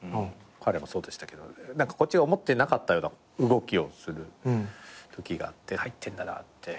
彼もそうでしたけどこっちが思ってなかったような動きをするときがあって入ってんだなって。